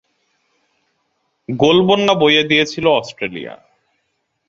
গোলবন্যা বইয়ে দিয়েছিল অস্ট্রেলিয়া।